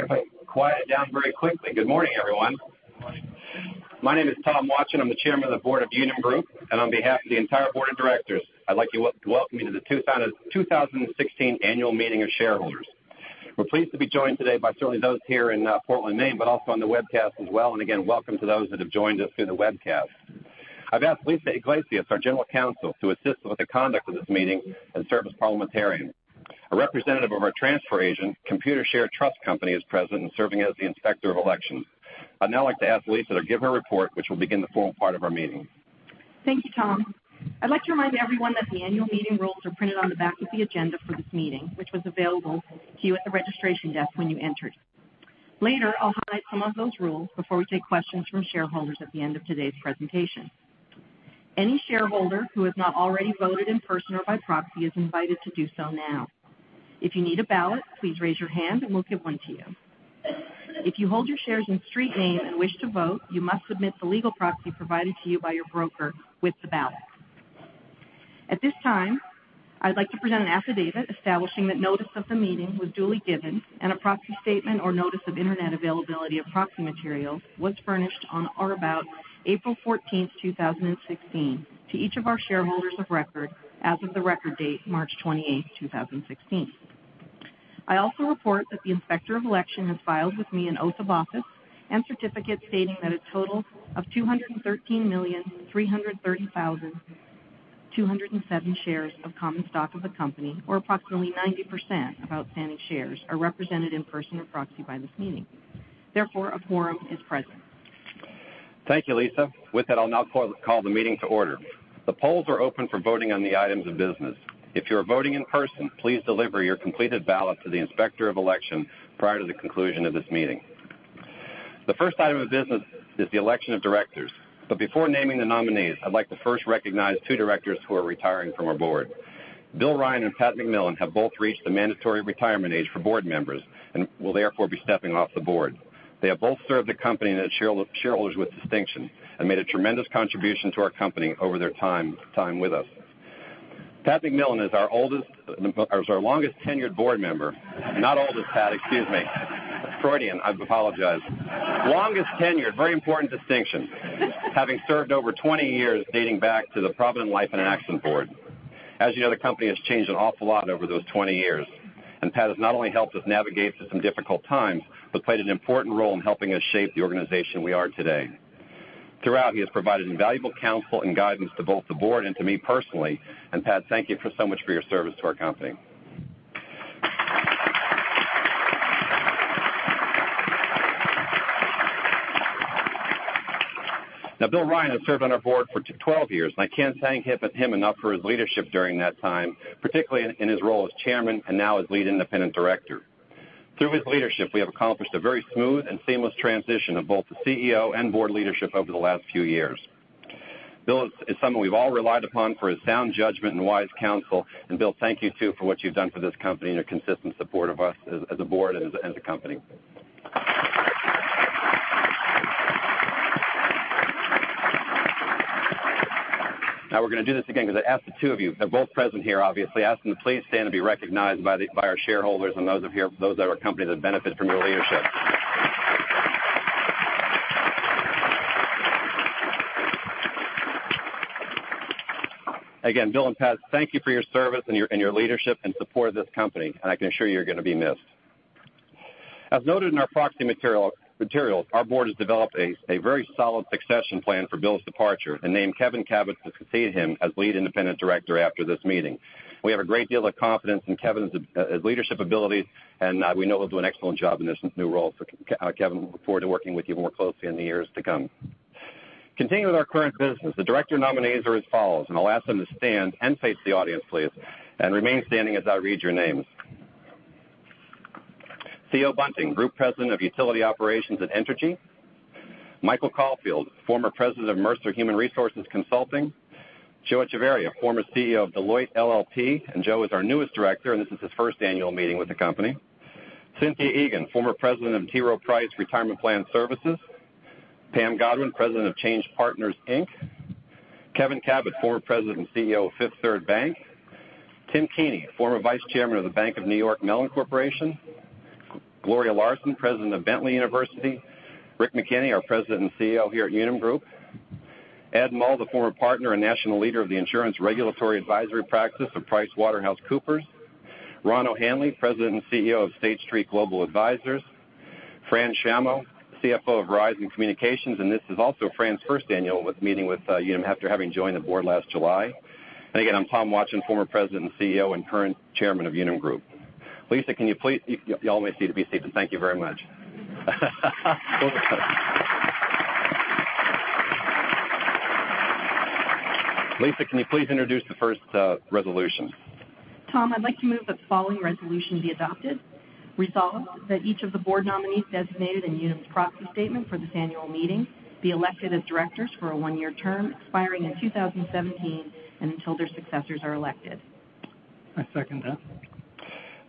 Everybody quiet down very quickly. Good morning, everyone. Good morning. My name is Tom Watjen. I'm the Chairman of the Board of Unum Group. On behalf of the entire Board of Directors, I'd like to welcome you to the 2016 annual meeting of shareholders. We're pleased to be joined today by certainly those here in Portland, Maine, but also on the webcast as well. Again, welcome to those that have joined us through the webcast. I've asked Lisa Iglesias, our General Counsel, to assist with the conduct of this meeting and serve as parliamentarian. A representative of our transfer agent, Computershare Trust Company, is present and serving as the inspector of elections. I'd now like to ask Lisa to give her report, which will begin the formal part of our meeting. Thank you, Tom. I'd like to remind everyone that the annual meeting rules are printed on the back of the agenda for this meeting, which was available to you at the registration desk when you entered. Later, I'll highlight some of those rules before we take questions from shareholders at the end of today's presentation. Any shareholder who has not already voted in person or by proxy is invited to do so now. If you need a ballot, please raise your hand and we'll give one to you. If you hold your shares in street name and wish to vote, you must submit the legal proxy provided to you by your broker with the ballot. At this time, I'd like to present an affidavit establishing that notice of the meeting was duly given, and a proxy statement or notice of internet availability of proxy materials was furnished on or about April 14th, 2016, to each of our shareholders of record as of the record date March 28th, 2016. I also report that the inspector of election has filed with me an oath of office and certificate stating that a total of 213,330,207 shares of common stock of the company, or approximately 90% of outstanding shares, are represented in person or proxy by this meeting. Therefore, a quorum is present. Thank you, Lisa. With that, I'll now call the meeting to order. The polls are open for voting on the items of business. If you are voting in person, please deliver your completed ballot to the inspector of election prior to the conclusion of this meeting. The first item of business is the election of directors. Before naming the nominees, I'd like to first recognize two directors who are retiring from our board. Bill Ryan and Pat McMillan have both reached the mandatory retirement age for board members and will therefore be stepping off the board. They have both served the company and its shareholders with distinction and made a tremendous contribution to our company over their time with us. Pat McMillan is our longest-tenured board member. Not oldest, Pat, excuse me. Freudian, I apologize. Longest-tenured, very important distinction. Having served over 20 years dating back to the Provident Life and Accident board. As you know, the company has changed an awful lot over those 20 years, Pat has not only helped us navigate through some difficult times, but played an important role in helping us shape the organization we are today. Throughout, he has provided invaluable counsel and guidance to both the board and to me personally. Pat, thank you so much for your service to our company. Bill Ryan has served on our board for 12 years, and I can't thank him enough for his leadership during that time, particularly in his role as chairman and now as lead independent director. Through his leadership, we have accomplished a very smooth and seamless transition of both the CEO and board leadership over the last few years. Bill is someone we've all relied upon for his sound judgment and wise counsel. Bill, thank you too for what you've done for this company and your consistent support of us as a board and the company. We're going to do this again because I asked the two of you, they're both present here, obviously. Ask them to please stand and be recognized by our shareholders and those of our company that benefit from your leadership. Again, Bill and Pat, thank you for your service and your leadership and support of this company, and I can assure you're going to be missed. As noted in our proxy materials, our board has developed a very solid succession plan for Bill's departure and named Kevin Kabat to succeed him as lead independent director after this meeting. We have a great deal of confidence in Kevin's leadership abilities, and we know he'll do an excellent job in this new role. Kevin, we look forward to working with you more closely in the years to come. Continuing with our current business, the director nominees are as follows. I'll ask them to stand and face the audience, please, and remain standing as I read your names. Theo Bunting, Group President of Utility Operations at Entergy Corporation. Michael Caulfield, former President of Mercer Human Resource Consulting. Joe Echevarria, former CEO of Deloitte LLP, and Joe is our newest director, and this is his first annual meeting with the company. Cynthia Egan, former President of T. Rowe Price Retirement Plan Services. Pam Godwin, President of Change Partners, Inc. Kevin Kabat, former President and CEO of Fifth Third Bank. Tim Keaney, former Vice Chairman of The Bank of New York Mellon Corporation. Gloria Larson, President of Bentley University. Rick McKenney, our President and CEO here at Unum Group. Ed Mull, the former partner and national leader of the Insurance Regulatory Advisory Practice of PricewaterhouseCoopers. Ron O'Hanley, President and CEO of State Street Global Advisors. Fran Shammo, CFO of Verizon Communications Inc., and this is also Fran's first annual meeting with Unum after having joined the board last July. Again, I'm Tom Watjen, former President and CEO and current chairman of Unum Group. You always need to be seated. Thank you very much. Lisa, can you please introduce the first resolution? Tom, I'd like to move that the following resolution be adopted. Resolved that each of the board nominees designated in Unum's proxy statement for this annual meeting be elected as directors for a one-year term expiring in 2017, and until their successors are elected. I second that.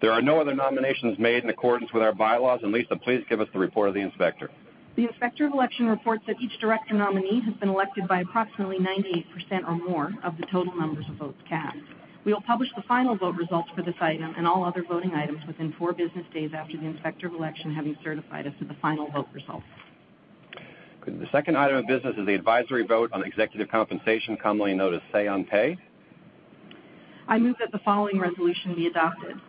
There are no other nominations made in accordance with our bylaws. Lisa, please give us the report of the inspector. The Inspector of Election reports that each director nominee has been elected by approximately 98% or more of the total numbers of votes cast. We will publish the final vote results for this item and all other voting items within four business days after the Inspector of Election having certified us of the final vote results. Good. The second item of business is the advisory vote on executive compensation, commonly noted Say on Pay. I move that the following resolution be adopted.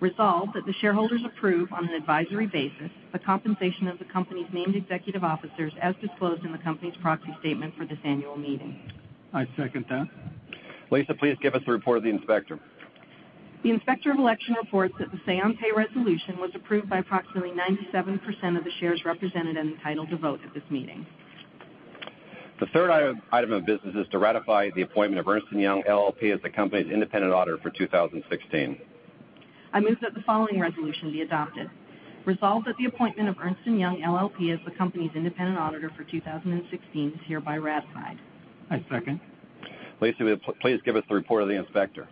Resolved that the shareholders approve, on an advisory basis, the compensation of the company's named executive officers as disclosed in the company's proxy statement for this annual meeting. I second that. Lisa, please give us a report of the inspector. The Inspector of Election reports that the Say on Pay resolution was approved by approximately 97% of the shares represented and entitled to vote at this meeting. The third item of business is to ratify the appointment of Ernst & Young LLP as the company's independent auditor for 2016. I move that the following resolution be adopted. Resolved that the appointment of Ernst & Young LLP as the company's independent auditor for 2016 is hereby ratified. I second. Lisa, please give us the report of the inspector.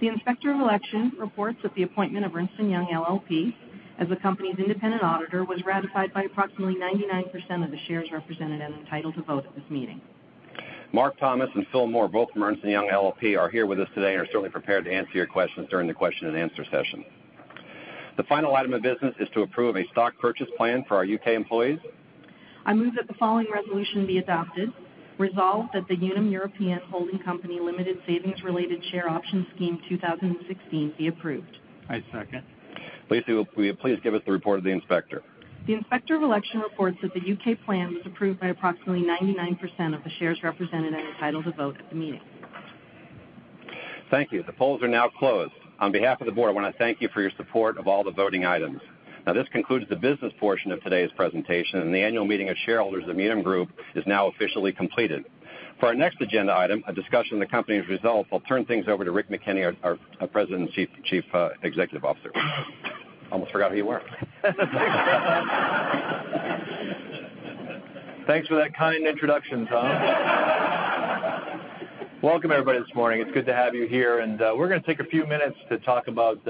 The Inspector of Election reports that the appointment of Ernst & Young LLP as the company's independent auditor was ratified by approximately 99% of the shares represented and entitled to vote at this meeting. Mark Thomas and Phil Moore, both from Ernst & Young LLP, are here with us today and are certainly prepared to answer your questions during the question and answer session. The final item of business is to approve a stock purchase plan for our U.K. employees. I move that the following resolution be adopted. Resolved that the Unum European Holding Company Limited Savings Related Share Option Scheme 2016 be approved. I second. Lisa, will you please give us the report of the inspector? The Inspector of Election reports that the U.K. plan was approved by approximately 99% of the shares represented and entitled to vote at the meeting. Thank you. The polls are now closed. On behalf of the board, I want to thank you for your support of all the voting items. This concludes the business portion of today's presentation, and the annual meeting of shareholders of Unum Group is now officially completed. For our next agenda item, a discussion of the company's results, I'll turn things over to Richard McKenney, our President and Chief Executive Officer. Almost forgot who you were. Thanks for that kind introduction, Tom. Welcome, everybody, this morning. It's good to have you here, and we're going to take a few minutes to talk about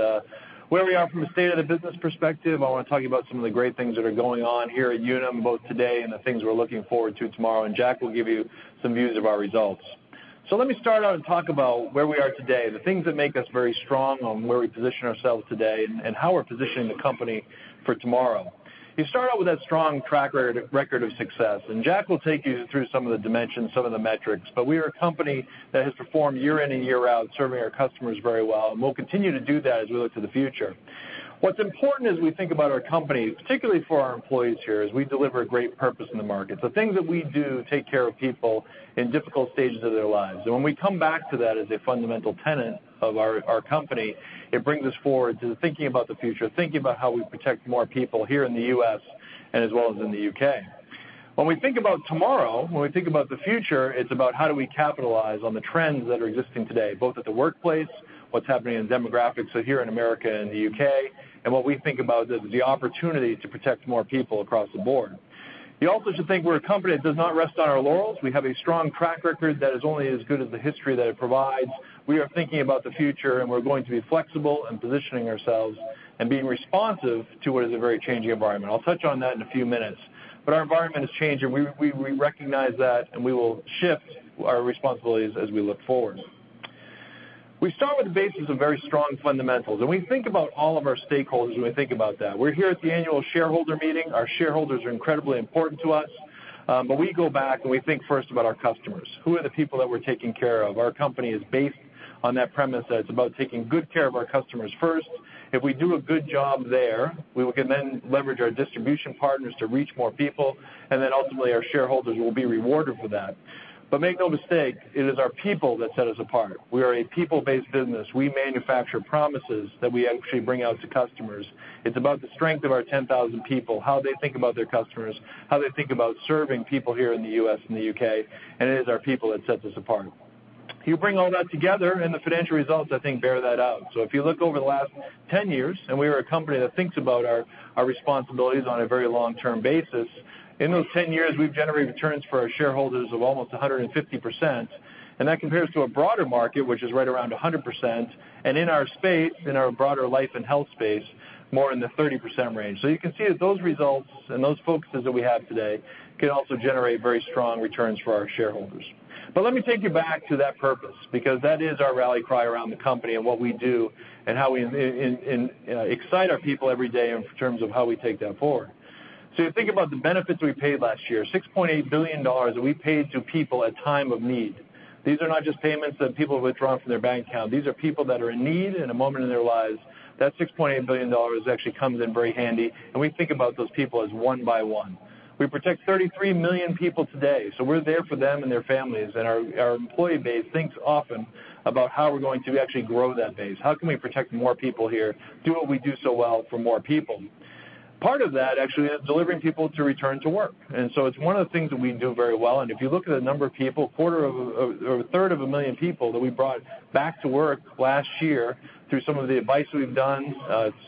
where we are from a state of the business perspective. I want to talk to you about some of the great things that are going on here at Unum both today and the things we're looking forward to tomorrow, and Jack will give you some views of our results. Let me start out and talk about where we are today, the things that make us very strong on where we position ourselves today and how we're positioning the company for tomorrow. You start out with that strong track record of success, and Jack will take you through some of the dimensions, some of the metrics. We are a company that has performed year in and year out, serving our customers very well, and we'll continue to do that as we look to the future. What's important as we think about our company, particularly for our employees here, is we deliver a great purpose in the market. The things that we do take care of people in difficult stages of their lives. When we come back to that as a fundamental tenet of our company, it brings us forward to thinking about the future, thinking about how we protect more people here in the U.S. and as well as in the U.K. When we think about tomorrow, when we think about the future, it's about how do we capitalize on the trends that are existing today, both at the workplace, what's happening in demographics here in America and the U.K., and what we think about as the opportunity to protect more people across the board. You also should think we're a company that does not rest on our laurels. We have a strong track record that is only as good as the history that it provides. We are thinking about the future, and we're going to be flexible and positioning ourselves and being responsive to what is a very changing environment. I'll touch on that in a few minutes. Our environment is changing, we recognize that, and we will shift our responsibilities as we look forward. We start with the basis of very strong fundamentals, and we think about all of our stakeholders when we think about that. We're here at the annual shareholder meeting. Our shareholders are incredibly important to us. We go back, and we think first about our customers. Who are the people that we're taking care of? Our company is based on that premise that it's about taking good care of our customers first. If we do a good job there, we can then leverage our distribution partners to reach more people, and then ultimately our shareholders will be rewarded for that. Make no mistake, it is our people that set us apart. We are a people-based business. We manufacture promises that we actually bring out to customers. It's about the strength of our 10,000 people, how they think about their customers, how they think about serving people here in the U.S. and the U.K., and it is our people that sets us apart. If you bring all that together, and the financial results, I think, bear that out. If you look over the last 10 years, and we are a company that thinks about our responsibilities on a very long-term basis, in those 10 years, we've generated returns for our shareholders of almost 150%, and that compares to a broader market, which is right around 100%, and in our space, in our broader life and health space, more in the 30% range. You can see that those results and those focuses that we have today can also generate very strong returns for our shareholders. Let me take you back to that purpose, because that is our rally cry around the company and what we do and how we excite our people every day in terms of how we take that forward. You think about the benefits we paid last year, $6.8 billion that we paid to people at time of need. These are not just payments that people withdraw from their bank account. These are people that are in need in a moment in their lives. That $6.8 billion actually comes in very handy, and we think about those people as one by one. We protect 33 million people today, so we're there for them and their families, and our employee base thinks often about how we're going to actually grow that base. How can we protect more people here, do what we do so well for more people? Part of that actually is delivering people to return to work, and so it's one of the things that we do very well, and if you look at the number of people, a third of a million people that we brought back to work last year through some of the advice we've done,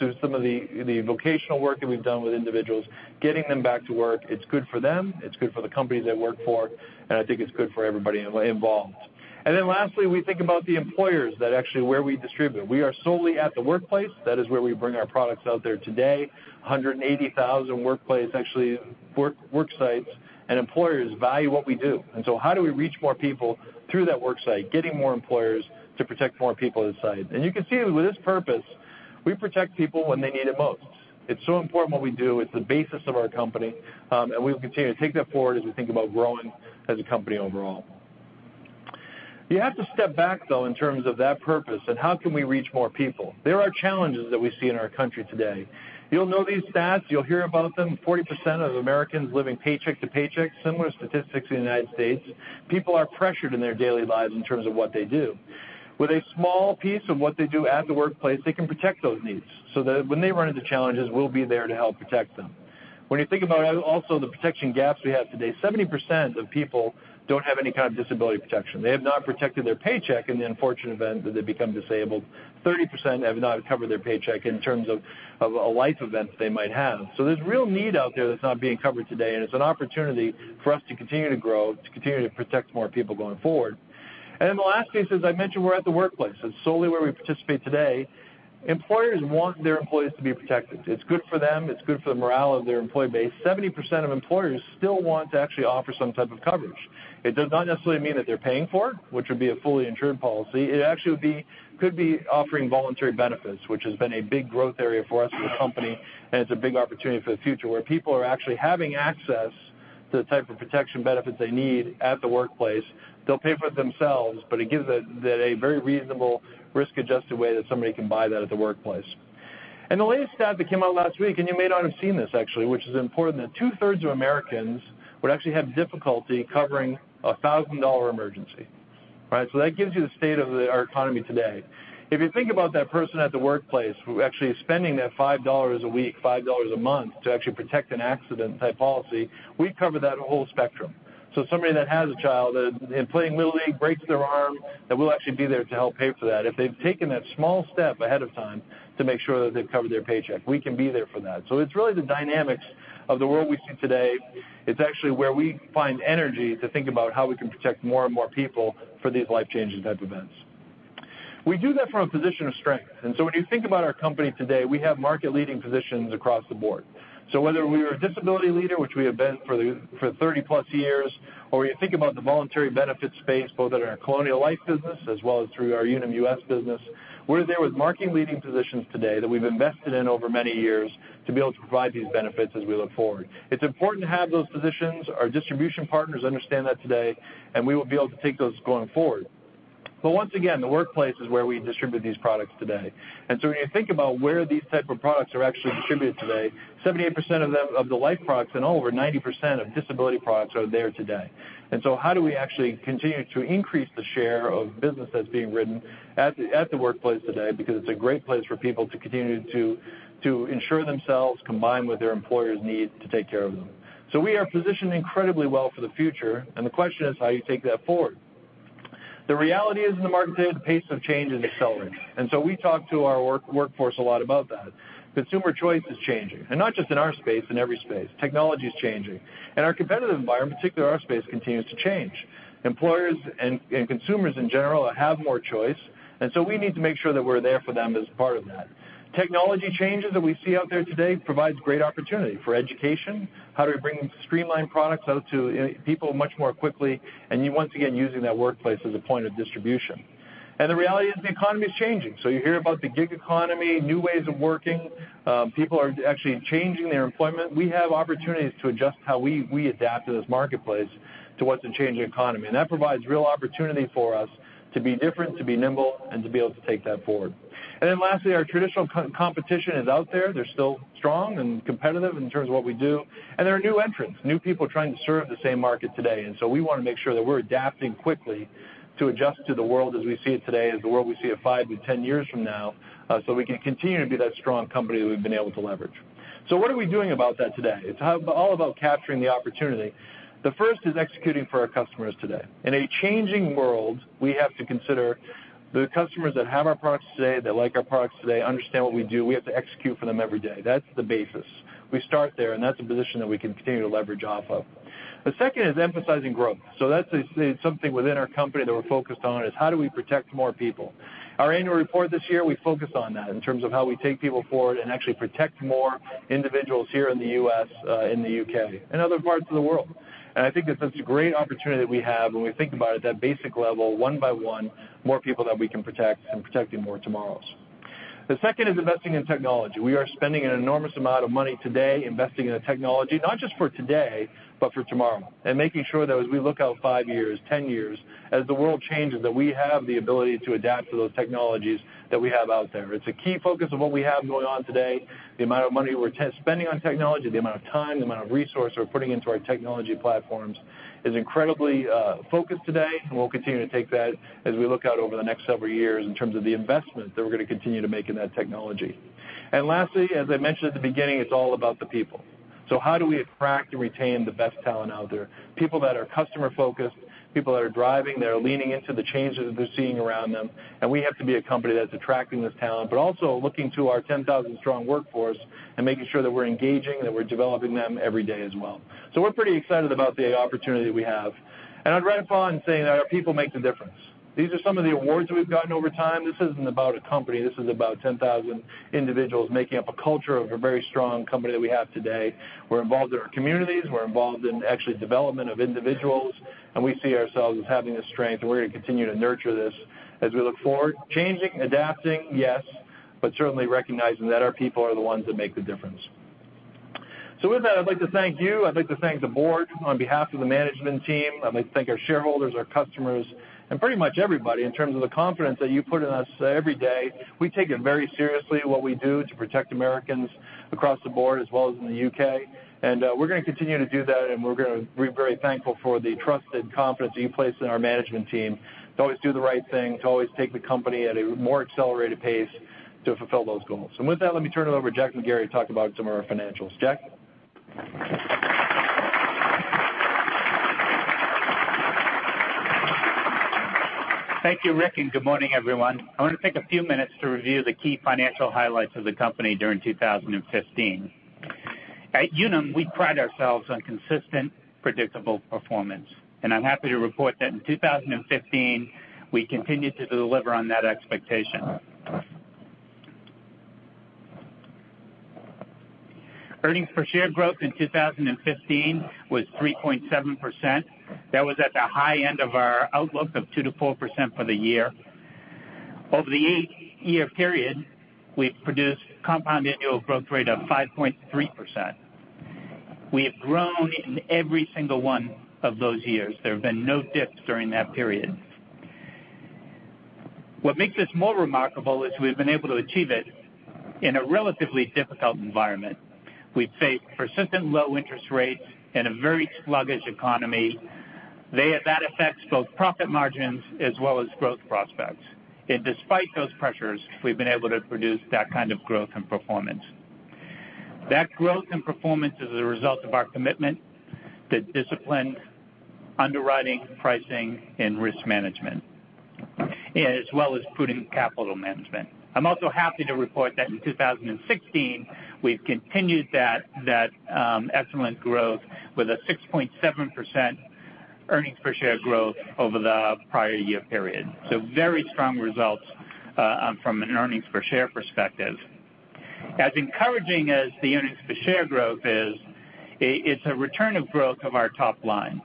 through some of the vocational work that we've done with individuals, getting them back to work, it's good for them, it's good for the companies they work for, and I think it's good for everybody involved. Then lastly, we think about the employers that actually where we distribute. We are solely at the workplace. That is where we bring our products out there today, 180,000 workplace, actually work sites and employers value what we do. How do we reach more people through that work site, getting more employers to protect more people at a site? You can see with this purpose, we protect people when they need it most. It's so important what we do, it's the basis of our company, and we will continue to take that forward as we think about growing as a company overall. You have to step back, though, in terms of that purpose and how can we reach more people. There are challenges that we see in our country today. You'll know these stats. You'll hear about them, 40% of Americans living paycheck to paycheck, similar statistics in the U.S. People are pressured in their daily lives in terms of what they do. With a small piece of what they do at the workplace, they can protect those needs, so that when they run into challenges, we'll be there to help protect them. When you think about also the protection gaps we have today, 70% of people don't have any kind of disability protection. They have not protected their paycheck in the unfortunate event that they become disabled. 30% have not covered their paycheck in terms of a life event they might have. There's real need out there that's not being covered today, and it's an opportunity for us to continue to grow, to continue to protect more people going forward. The last piece, as I mentioned, we're at the workplace. That's solely where we participate today. Employers want their employees to be protected. It's good for them. It's good for the morale of their employee base. 70% of employers still want to actually offer some type of coverage. It does not necessarily mean that they're paying for it, which would be a fully insured policy. It actually could be offering voluntary benefits, which has been a big growth area for us as a company, and it's a big opportunity for the future, where people are actually having access to the type of protection benefits they need at the workplace. They'll pay for it themselves, but it gives it a very reasonable risk-adjusted way that somebody can buy that at the workplace. The latest stat that came out last week, and you may not have seen this actually, which is important, that two-thirds of Americans would actually have difficulty covering a $1,000 emergency. Right? That gives you the state of our economy today. If you think about that person at the workplace who actually is spending that $5 a week, $5 a month to actually protect an accident-type policy, we cover that whole spectrum. Somebody that has a child, in playing little league, breaks their arm, that we'll actually be there to help pay for that. If they've taken that small step ahead of time to make sure that they've covered their paycheck, we can be there for that. It's really the dynamics of the world we see today. It's actually where we find energy to think about how we can protect more and more people for these life-changing type events. We do that from a position of strength. When you think about our company today, we have market-leading positions across the board. Whether we are a disability leader, which we have been for 30-plus years, or you think about the voluntary benefits space, both at our Colonial Life business as well as through our Unum US business, we're there with market-leading positions today that we've invested in over many years to be able to provide these benefits as we look forward. It's important to have those positions. Our distribution partners understand that today, we will be able to take those going forward. Once again, the workplace is where we distribute these products today. When you think about where these type of products are actually distributed today, 78% of the life products and over 90% of disability products are there today. How do we actually continue to increase the share of business that's being written at the workplace today because it's a great place for people to continue to insure themselves combined with their employer's need to take care of them. We are positioned incredibly well for the future, the question is how you take that forward. The reality is in the market today, the pace of change is accelerating, we talk to our workforce a lot about that. Consumer choice is changing, not just in our space, in every space. Technology's changing, our competitive environment, particularly in our space, continues to change. Employers and consumers in general have more choice, we need to make sure that we're there for them as part of that. Technology changes that we see out there today provides great opportunity for education, how do we bring streamlined products out to people much more quickly, once again, using that workplace as a point of distribution. The reality is the economy is changing. You hear about the gig economy, new ways of working. People are actually changing their employment. We have opportunities to adjust how we adapt to this marketplace to what's a changing economy. That provides real opportunity for us to be different, to be nimble, and to be able to take that forward. Lastly, our traditional competition is out there. They're still strong and competitive in terms of what we do. There are new entrants, new people trying to serve the same market today. We want to make sure that we're adapting quickly to adjust to the world as we see it today, as the world we see it 5 to 10 years from now, so we can continue to be that strong company that we've been able to leverage. What are we doing about that today? It's all about capturing the opportunity. The first is executing for our customers today. In a changing world, we have to consider the customers that have our products today, that like our products today, understand what we do. We have to execute for them every day. That's the basis. We start there, that's a position that we can continue to leverage off of. The second is emphasizing growth. That's something within our company that we're focused on, is how do we protect more people? Our annual report this year, we focused on that in terms of how we take people forward and actually protect more individuals here in the U.S., in the U.K., and other parts of the world. I think that that's a great opportunity that we have when we think about it at that basic level, one by one, more people that we can protect and protecting more tomorrows. The second is investing in technology. We are spending an enormous amount of money today investing in a technology, not just for today, but for tomorrow, and making sure that as we look out 5 years, 10 years, as the world changes, that we have the ability to adapt to those technologies that we have out there. It's a key focus of what we have going on today. The amount of money we're spending on technology, the amount of time, the amount of resource we're putting into our technology platforms is incredibly focused today, and we'll continue to take that as we look out over the next several years in terms of the investment that we're going to continue to make in that technology. Lastly, as I mentioned at the beginning, it's all about the people. How do we attract and retain the best talent out there? People that are customer-focused, people that are driving, that are leaning into the changes they're seeing around them. We have to be a company that's attracting this talent, but also looking to our 10,000 strong workforce and making sure that we're engaging and that we're developing them every day as well. We're pretty excited about the opportunity we have. I'd wrap on saying that our people make the difference. These are some of the awards we've gotten over time. This isn't about a company, this is about 10,000 individuals making up a culture of a very strong company that we have today. We're involved in our communities, we're involved in actually development of individuals, and we see ourselves as having the strength, and we're going to continue to nurture this as we look forward. Changing, adapting, yes, but certainly recognizing that our people are the ones that make the difference. With that, I'd like to thank you, I'd like to thank the board, on behalf of the management team. I'd like to thank our shareholders, our customers, and pretty much everybody in terms of the confidence that you put in us every day. We take it very seriously what we do to protect Americans across the board as well as in the U.K. We're going to continue to do that, and we're very thankful for the trusted confidence that you place in our management team to always do the right thing, to always take the company at a more accelerated pace to fulfill those goals. With that, let me turn it over to Jack McGarry to talk about some of our financials. Jack? Thank you, Rick, and good morning, everyone. I want to take a few minutes to review the key financial highlights of the company during 2015. At Unum, we pride ourselves on consistent, predictable performance, and I'm happy to report that in 2015, we continued to deliver on that expectation. Earnings per share growth in 2015 was 3.7%. That was at the high end of our outlook of 2%-4% for the year. Over the 8-year period, we've produced compound annual growth rate of 5.3%. We have grown in every single one of those years. There have been no dips during that period. What makes this more remarkable is we've been able to achieve it in a relatively difficult environment. We've faced persistent low interest rates and a very sluggish economy. That affects both profit margins as well as growth prospects. Despite those pressures, we've been able to produce that kind of growth and performance. That growth and performance is a result of our commitment to disciplined underwriting, pricing, and risk management, as well as prudent capital management. I'm also happy to report that in 2016, we've continued that excellent growth with a 6.7% earnings per share growth over the prior year period. Very strong results from an earnings per share perspective. As encouraging as the earnings per share growth is, it's a return of growth of our top line.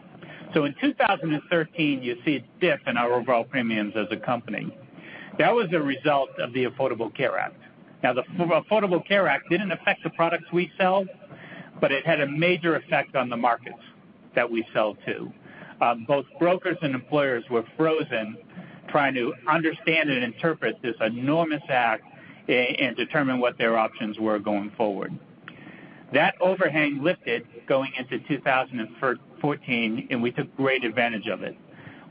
In 2013, you see a dip in our overall premiums as a company. That was a result of the Affordable Care Act. Now, the Affordable Care Act didn't affect the products we sell, but it had a major effect on the markets that we sell to. Both brokers and employers were frozen trying to understand and interpret this enormous act and determine what their options were going forward. That overhang lifted going into 2014, and we took great advantage of it.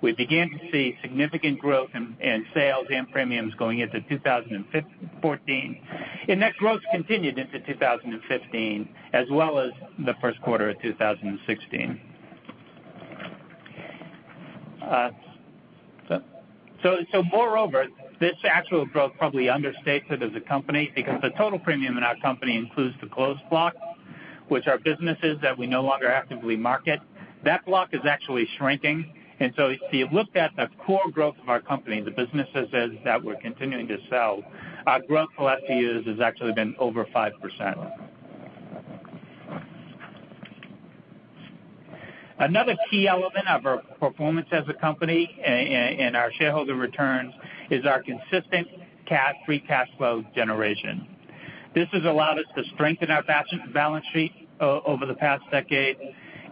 We began to see significant growth in sales and premiums going into 2014, and that growth continued into 2015, as well as the first quarter of 2016. Moreover, this actual growth probably understates it as a company because the total premium in our company includes the closed block, which are businesses that we no longer actively market. That block is actually shrinking. If you looked at the core growth of our company, the businesses that we're continuing to sell, our growth for the last few years has actually been over 5%. Another key element of our performance as a company and our shareholder returns is our consistent free cash flow generation. This has allowed us to strengthen our balance sheet over the past decade.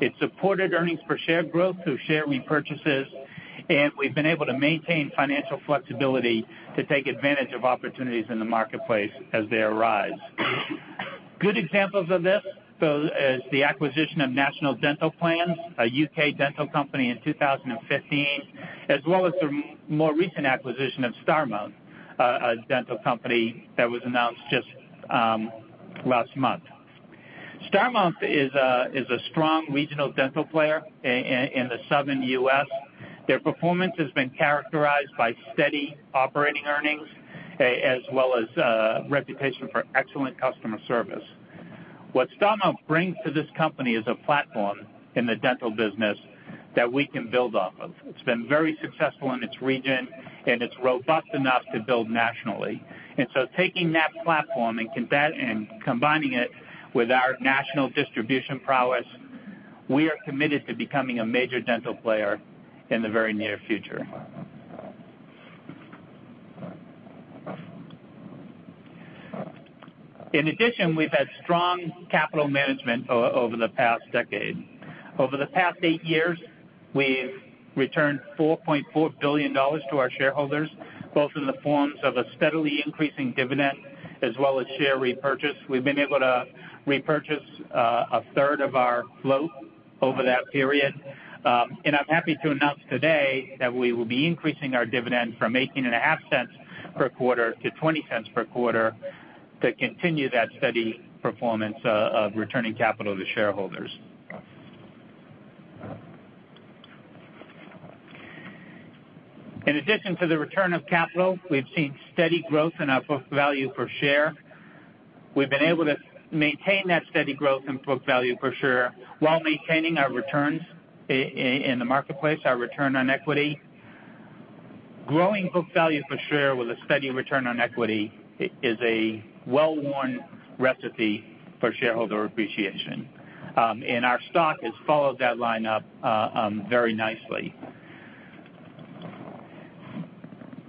It supported earnings per share growth through share repurchases, and we've been able to maintain financial flexibility to take advantage of opportunities in the marketplace as they arise. Good examples of this, is the acquisition of National Dental Plan, a U.K. dental company in 2015, as well as the more recent acquisition of Starmount, a dental company that was announced just last month. Starmount is a strong regional dental player in the Southern U.S. Their performance has been characterized by steady operating earnings, as well as a reputation for excellent customer service. What Starmount brings to this company is a platform in the dental business that we can build off of. It's been very successful in its region, and it's robust enough to build nationally. Taking that platform and combining it with our national distribution prowess, we are committed to becoming a major dental player in the very near future. In addition, we've had strong capital management over the past decade. Over the past eight years, we've returned $4.4 billion to our shareholders, both in the forms of a steadily increasing dividend as well as share repurchase. We've been able to repurchase a third of our float over that period. I'm happy to announce today that we will be increasing our dividend from $0.185 per quarter to $0.20 per quarter to continue that steady performance of returning capital to shareholders. In addition to the return of capital, we've seen steady growth in our book value per share. We've been able to maintain that steady growth in book value per share while maintaining our returns in the marketplace, our return on equity. Growing book value per share with a steady return on equity is a well-worn recipe for shareholder appreciation. Our stock has followed that line up very nicely.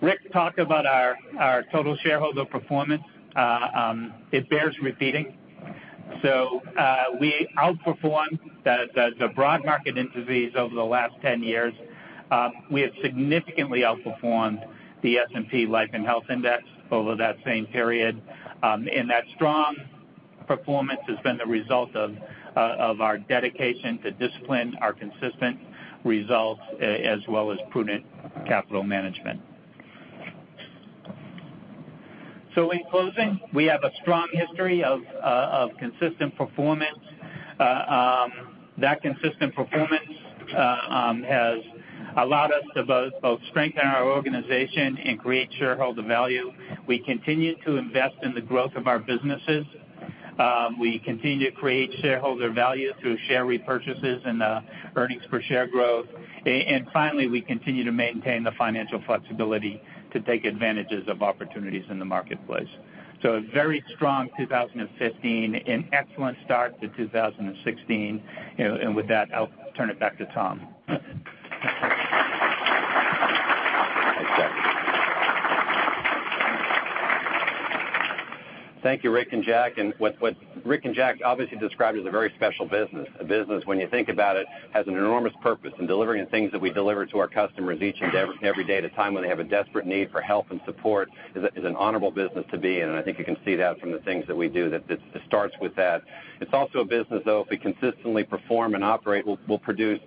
Rick talked about our total shareholder performance. It bears repeating. We outperformed the broad market indices over the last 10 years. We have significantly outperformed the S&P Life & Health Index over that same period. That strong performance has been the result of our dedication to discipline, our consistent results, as well as prudent capital management. In closing, we have a strong history of consistent performance. That consistent performance has allowed us to both strengthen our organization and create shareholder value. We continue to invest in the growth of our businesses. We continue to create shareholder value through share repurchases and earnings per share growth. Finally, we continue to maintain the financial flexibility to take advantages of opportunities in the marketplace. A very strong 2015, an excellent start to 2016. With that, I'll turn it back to Tom. Thanks, Jack. Thank you, Rick and Jack. What Rick and Jack obviously described is a very special business. A business, when you think about it, has an enormous purpose. Delivering things that we deliver to our customers each and every day at a time when they have a desperate need for help and support is an honorable business to be in. I think you can see that from the things that we do, that this starts with that. It's also a business, though, if we consistently perform and operate, we'll produce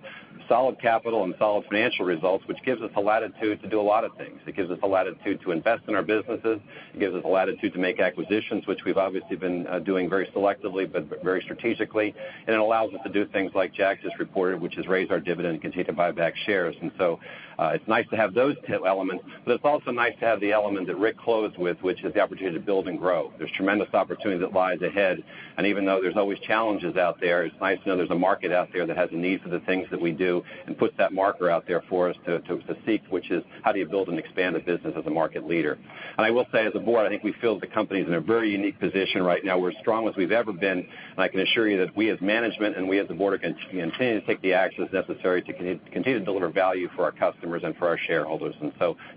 solid capital and solid financial results, which gives us the latitude to do a lot of things. It gives us the latitude to invest in our businesses. It gives us the latitude to make acquisitions, which we've obviously been doing very selectively but very strategically. It allows us to do things like Jack just reported, which is raise our dividend and continue to buy back shares. It's nice to have those two elements, but it's also nice to have the element that Rick closed with, which is the opportunity to build and grow. There's tremendous opportunity that lies ahead. Even though there's always challenges out there, it's nice to know there's a market out there that has a need for the things that we do and puts that marker out there for us to seek, which is how do you build and expand a business as a market leader. I will say, as a board, I think we feel the company's in a very unique position right now. We're as strong as we've ever been, and I can assure you that we as management and we as the board are going to continue to take the actions necessary to continue to deliver value for our customers and for our shareholders.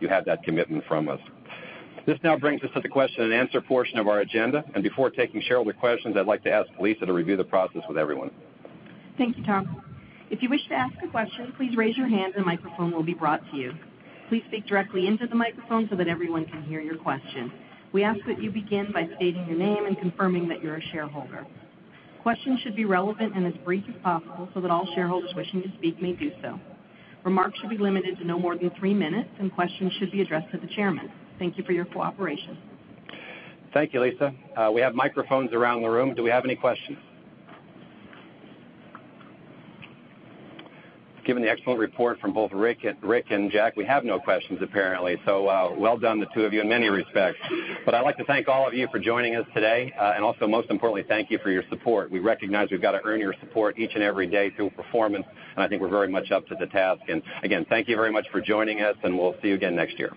You have that commitment from us. This now brings us to the question and answer portion of our agenda. Before taking shareholder questions, I'd like to ask Lisa to review the process with everyone. Thank you, Tom. If you wish to ask a question, please raise your hand and a microphone will be brought to you. Please speak directly into the microphone so that everyone can hear your question. We ask that you begin by stating your name and confirming that you're a shareholder. Questions should be relevant and as brief as possible so that all shareholders wishing to speak may do so. Remarks should be limited to no more than three minutes, and questions should be addressed to the chairman. Thank you for your cooperation. Thank you, Lisa. We have microphones around the room. Do we have any questions? Given the excellent report from both Rick and Jack, we have no questions, apparently. Well done, the two of you in many respects. I'd like to thank all of you for joining us today. Also, most importantly, thank you for your support. We recognize we've got to earn your support each and every day through performance, and I think we're very much up to the task. Again, thank you very much for joining us, and we'll see you again next year.